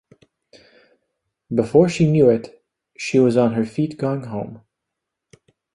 Before she knew it, she was on her feet going home.